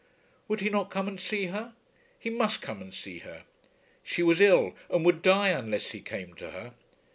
Would he not come and see her? He must come and see her. She was ill and would die unless he came to her.